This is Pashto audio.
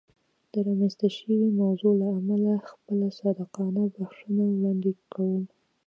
د رامنځته شوې موضوع له امله خپله صادقانه بښنه وړاندې کوم.